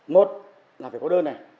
một là phải có đơn này